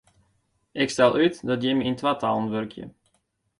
Ik stel út dat jimme yn twatallen wurkje.